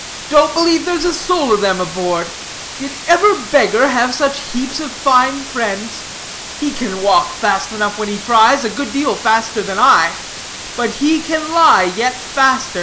"Don't believe there's a soul of them aboard. Did ever beggar have such heaps of fine friends? He can walk fast enough when he tries, a good deal faster than I; but he can lie yet faster.